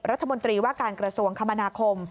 รัฐมนตรีว่าการกระทรวงคมนาคม